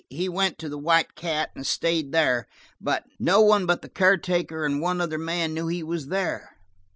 He went to the White Cat, and stayed there. No one but the caretaker and one other man knew he was there.